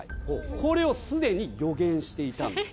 これをすでに予言していたんです。